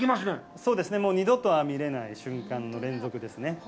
そうですね、二度と見られない瞬間の連続ですね。